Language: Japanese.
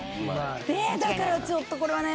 だからちょっとこれはね